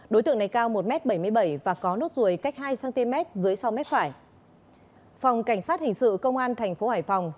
đối tượng này cao một m bảy mươi bảy và có nốt ruồi cách hai cm dưới sau mép phải phòng cảnh sát hình sự công an thành phố hải phòng